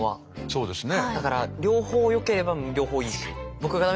そうですね。